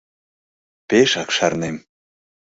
Пешак шарнем.